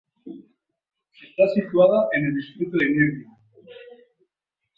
Está situada en el Distrito de Nervión.